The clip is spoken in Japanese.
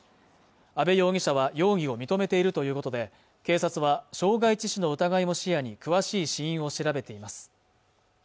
阿部容疑者は容疑を認めているということで警察は傷害致死の疑いも視野に詳しい死因を調べています